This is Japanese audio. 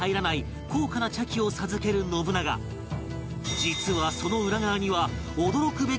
実はその裏側には